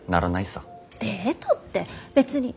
デートって別に。